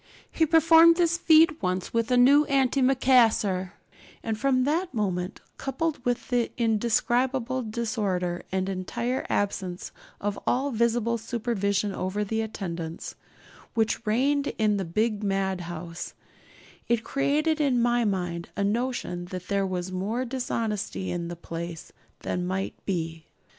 He performed this feat once with a new antimacassar; and from that moment, coupled with the indescribable disorder and entire absence of all visible supervision over the attendants, which reigned in the big madhouse, it created in my mind a notion that there was more dishonesty in the place than might be.